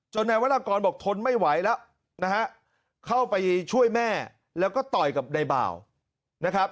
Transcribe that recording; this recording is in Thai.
นายวรากรบอกทนไม่ไหวแล้วนะฮะเข้าไปช่วยแม่แล้วก็ต่อยกับนายบ่าวนะครับ